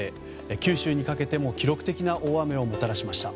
九州にかけても記録的な大雨をもたらしました。